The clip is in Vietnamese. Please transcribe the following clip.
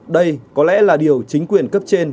đây có lẽ là điều chính quyền cấp trên